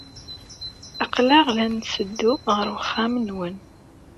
Aql-aɣ la netteddu ɣer uxxam-nwen.